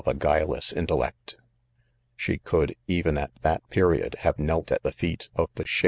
a guileless intellect. She could, even at 'that period, have knelt at the feet of the chef THE STBJ.